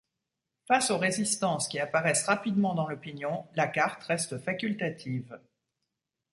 Face aux résistances qui apparaissent rapidement dans l'opinion, la carte reste facultative.